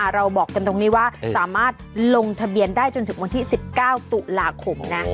เราบอกกันตรงนี้ว่าสามารถลงทะเบียนได้จนถึงวันที่๑๙ตุลาคมนะ